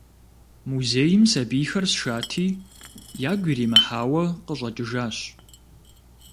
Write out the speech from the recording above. Музейм сабийхэр сшати, ягу иримыхьауэ къыщӏэкӏыжащ.